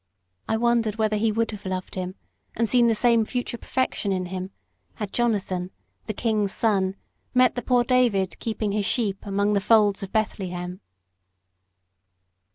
I wondered whether he would have loved him, and seen the same future perfection in him, had Jonathan, the king's son, met the poor David keeping his sheep among the folds of Bethlehem.